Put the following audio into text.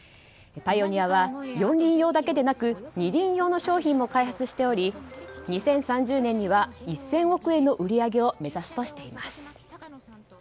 パイオニアは４輪用だけでなく２輪用の商品も開発しており２０３０年には１０００億円の売り上げを目指すとしています。